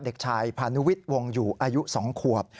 เด็กชายพานุวิทย์วงอยู่อายุ๒ขวบ